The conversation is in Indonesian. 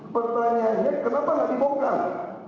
pertanyaannya kenapa tak dibongkar